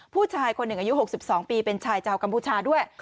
ผู้ชายคนหนึ่งอายุหกสิบสองปีเป็นชายเจ้ากัมพูชาด้วย